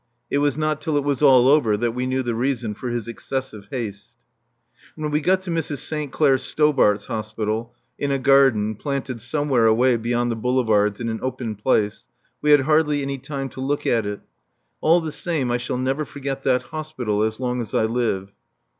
It was not till it was all over that we knew the reason for his excessive haste. When we got to Mrs. St. Clair Stobart's Hospital in a garden, planted somewhere away beyond the boulevards in an open place we had hardly any time to look at it. All the same, I shall never forget that Hospital as long as I live.